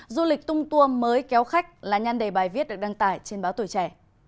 du lịch tung tour mới kéo khách là nhan đề bài viết được đăng tải trên báo tuổi trẻ